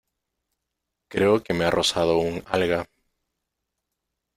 Creo que me ha rozado un alga.